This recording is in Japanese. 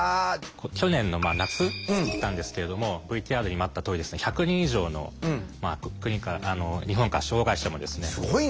去年の夏行ったんですけれどもＶＴＲにもあったとおり１００人以上の日本から障害者もですね。